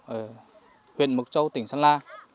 ở huyện mộc châu tỉnh săn la